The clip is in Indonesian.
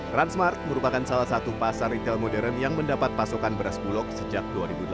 transmart merupakan salah satu pasar retail modern yang mendapat pasokan beras bulog sejak dua ribu delapan belas